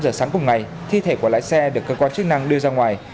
ba giờ sáng cùng ngày thi thể của lái xe được cơ quan chức năng đưa ra ngoài